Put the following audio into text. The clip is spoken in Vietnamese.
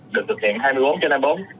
trực thực hiện hai mươi bốn trên hai mươi bốn